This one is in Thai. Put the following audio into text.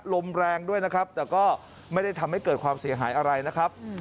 ลมแรงด้วยนะครับแต่ก็ไม่ได้ทำให้เกิดความเสียหายอะไรนะครับ